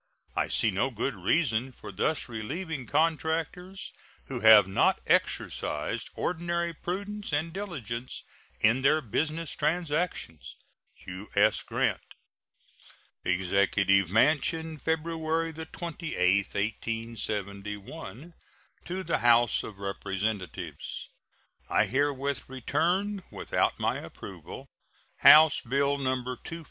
I see no good reason for thus relieving contractors who have not exercised ordinary prudence and diligence in their business transactions. U.S. GRANT. EXECUTIVE MANSION, February 28, 1871. To the House of Representatives: I herewith return without my approval House bill No.